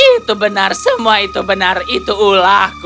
itu benar itu benar semua itu benar itu alahku